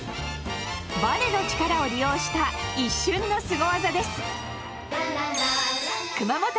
バネの力を利用した一瞬のすご技です。